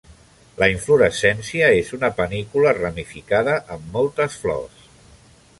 La inflorescència és una panícula ramificada amb moltes flors.